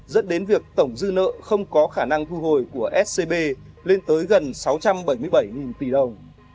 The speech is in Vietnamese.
dẫn đến việc tổng dư nợ không có khả năng thu hồi của scb lên tới gần sáu trăm bảy mươi bảy tỷ đồng